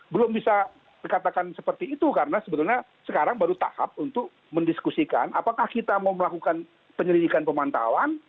belum bisa dikatakan seperti itu karena sebetulnya sekarang baru tahap untuk mendiskusikan apakah kita mau melakukan penyelidikan pemantauan